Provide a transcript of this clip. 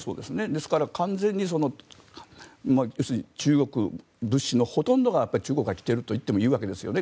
ですから、完全に要するに物資のほとんどが中国から来てると言ってもいいわけですよね。